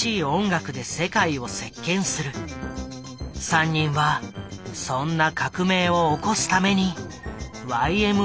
３人はそんな革命を起こすためにＹＭＯを結成した。